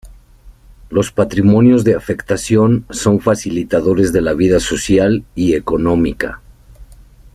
Los patrimonios de afectación son facilitadores de la vida social y económica.